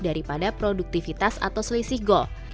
daripada produktivitas atau selisih gol